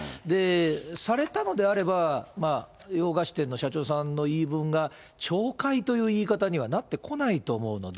されたのであれば、洋菓子店の社長さんの言い分が、懲戒という言い方にはなってこないと思うので、